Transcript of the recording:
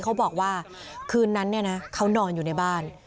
เขาบอกว่าคืนนั้นเนี่ยนะเขานอนอยู่ในบ้าน